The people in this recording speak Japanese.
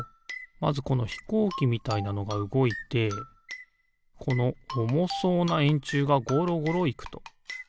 まずこのひこうきみたいなのがうごいてこのおもそうなえんちゅうがゴロゴロいくと。